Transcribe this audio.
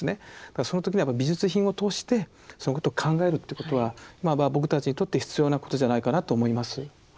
だからその時に美術品を通してそのことを考えるってことは僕たちにとって必要なことじゃないかなと思います。